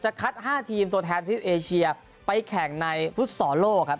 คัด๕ทีมตัวแทนทวิปเอเชียไปแข่งในฟุตซอลโลกครับ